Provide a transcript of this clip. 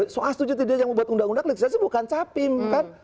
soal setuju tidak yang membuat undang undang legislasi bukan capim kan